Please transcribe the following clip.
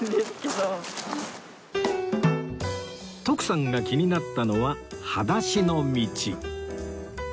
徳さんが気になったのははだしの道